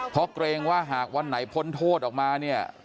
เพราะเกรงว่าหากวันไหนพ้นโทษออกมาเนี่ย